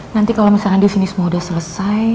nanti kalau misalnya di sini semua sudah selesai